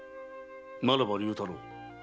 ならば竜太郎。